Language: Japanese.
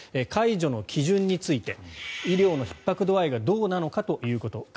解除の基準について医療のひっ迫度合いがどうなのかということ。